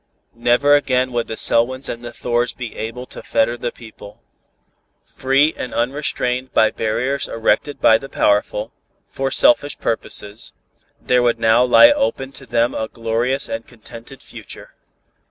Never again would the Selwyns and the Thors be able to fetter the people. Free and unrestrained by barriers erected by the powerful, for selfish purposes, there would now lie open to them a glorious and contented future.